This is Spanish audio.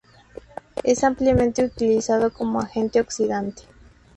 Es ampliamente utilizado como agente oxidante.